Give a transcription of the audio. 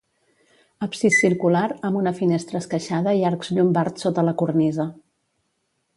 Absis circular amb una finestra esqueixada i arcs llombards sota la cornisa.